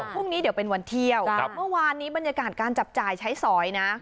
พรุ่งนี้เดี๋ยวเป็นวันเที่ยวเมื่อวานนี้บรรยากาศการจับจ่ายใช้สอยนะ